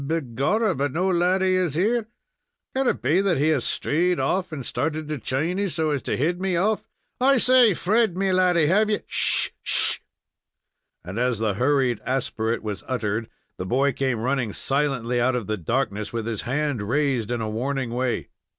"Begorrah, but no laddy is here. Can it be that he has strayed off, and started to Chiny so as to head me off? I say! Fred, me laddy, have ye " "Sh! sh!" And as the hurried aspirate was uttered, the boy came running silently out of the darkness, with his hand raised in a warning way.